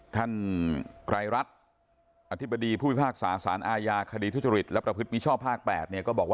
ท่านไกลรัติอธิบดีผู้วิพากษาสารอาญาคดีทุจริตและประพฤติมิชช่วรภาค๘